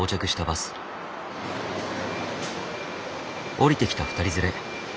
降りてきた２人連れ。